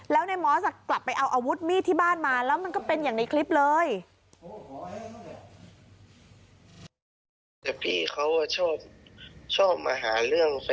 แล้วในมอสกลับไปเอาอาวุธมีดที่บ้านมาแล้วมันก็เป็นอย่างในคลิปเลย